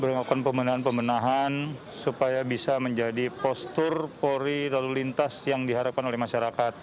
beroperasi untuk membuatkan pemenahan pemenahan supaya bisa menjadi postur polri lalu lintas yang diharapkan oleh masyarakat